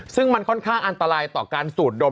ซึ่งมันค่อนข้างอันตรายต่อการสูดดม